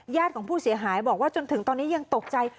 ของผู้เสียหายบอกว่าจนถึงตอนนี้ยังตกใจ